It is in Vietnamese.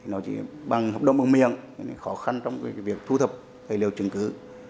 nó chỉ bằng hợp đồng bằng miệng khó khăn trong cái việc thu thập cái liệu chứng cứ